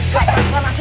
pak pahla kamu